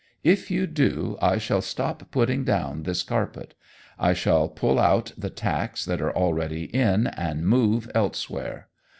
If you do, I shall stop putting down this carpet. I shall pull out the tacks that are already in and move elsewhere.